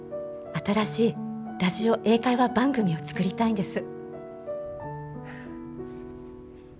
新しいラジオ英会話番組を作りたいんです。